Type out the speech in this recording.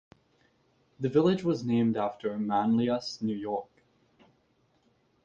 The village was named after Manlius, New York.